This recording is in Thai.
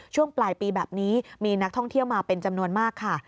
ช่วงปลายปีแบบนี้มีนักท่องเที่ยวมาเป็นจำนวนมากค่ะ